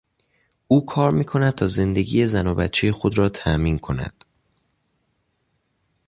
او کار میکند تا زندگی زن و بچهی خود را تامین کند.